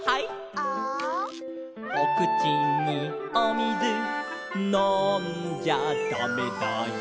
「ア」「おくちにおみずのんじゃだめだよ」